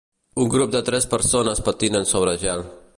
Un grup de tres persones patinen sobre gel.